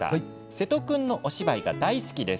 瀬戸君のお芝居が大好きです。